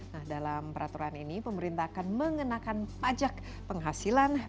nah dalam peraturan ini pemerintah akan mengenakan pajak penghasilan